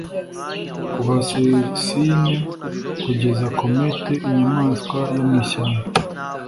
Kuva Cécine kugera Comète inyamaswa yo mwishyamba